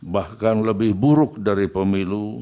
bahkan lebih buruk dari pemilu